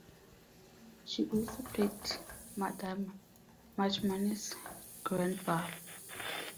She also played Madame Muchmoney's Granbull.